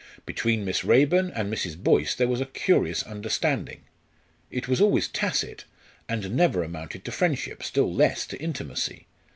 Between Miss Raeburn and Mrs. Boyce there was a curious understanding. It was always tacit, and never amounted to friendship, still less to intimacy.